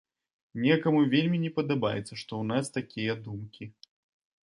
Некаму вельмі не падабаецца, што ў нас такія думкі.